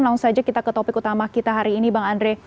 langsung saja kita ke topik utama kita hari ini bang andre